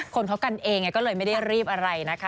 คนเขากันเองก็เลยไม่ได้รีบอะไรนะคะ